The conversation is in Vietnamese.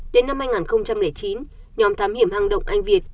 đến năm hai nghìn chín nhóm thám hiểm hang động anh việt